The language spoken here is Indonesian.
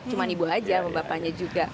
cuma ibu aja sama bapaknya juga